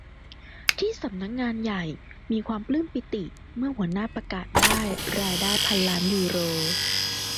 ที่สำนักงานใหญ่มีความปลื้มปีติเมื่อหัวหน้าประกาศได้รายได้พันล้านยูโร